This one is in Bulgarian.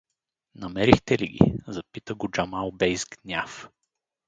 — Намерихте ли ги? — запита го Джамал бей с гняв.